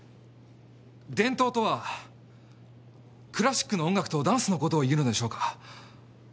伝統とはクラシックの音楽とダンスのことをいうのでしょうか。